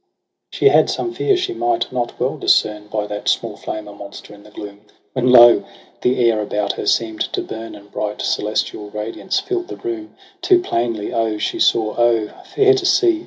She had some fear she might not well discern By that small flame a monster in the gloom ; When lo ! the air about her seem'd to burn. And bright celestial radiance fill'd the room. Too plainly O she saw, O fair to see